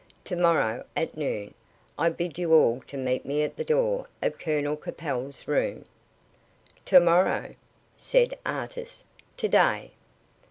To morrow, at noon, I bid you all to meet me at the door of Colonel Capel's room." "To morrow?" said Artis. "To day."